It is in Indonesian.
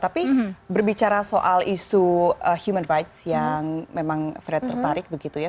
tapi berbicara soal isu human rights yang memang fred tertarik begitu ya